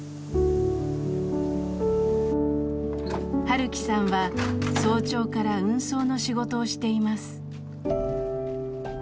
晴樹さんは早朝から運送の仕事をしています。